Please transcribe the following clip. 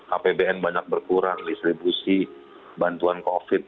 apbn banyak berkurang distribusi bantuan covid sembilan belas